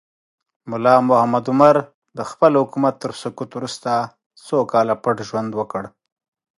ملا محمد عمر د خپل حکومت تر سقوط وروسته څو کاله پټ ژوند وکړ.